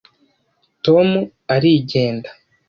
Tom arigenda